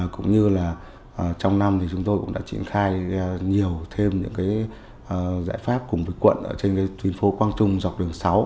cũng như trong năm chúng tôi đã triển khai nhiều thêm những giải pháp cùng với quận trên tuyến phố quang trung dọc đường sáu